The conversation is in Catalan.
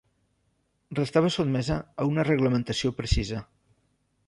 Restava sotmesa a una reglamentació precisa.